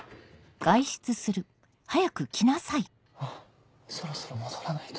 あっそろそろ戻らないと。